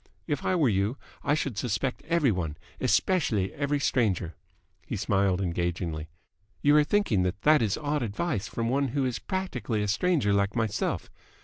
If I were you, I should suspect every one, especially every stranger." He smiled engagingly. "You are thinking that that is odd advice from one who is practically a stranger like myself.